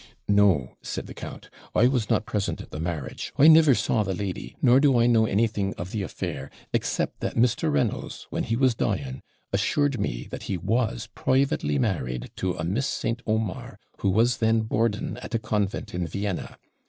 'No,' said the count, 'I was not present at the marriage; I never saw the lady, nor do I know anything of the affair, except that Mr. Reynolds, when he was dying, assured me that he was privately married to a Miss St. Omar, who was then boarding at a convent in Vienna.